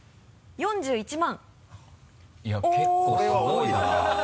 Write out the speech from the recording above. ４１万